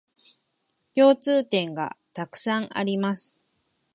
共通点がたくさんあります